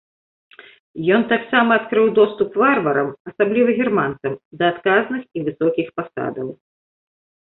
Ён таксама адкрыў доступ варварам, асабліва германцам, да адказных і высокіх пасадаў.